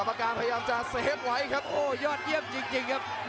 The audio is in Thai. ปากการพยายามจะเซฟไว้ครับโอ้ยอดเยี่ยมจริงครับ